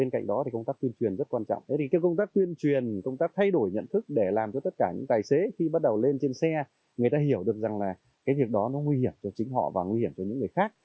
công tác tuyên truyền công tác thay đổi nhận thức để làm cho tất cả những tài xế khi bắt đầu lên trên xe người ta hiểu được rằng là cái việc đó nó nguy hiểm cho chính họ và nguy hiểm cho những người khác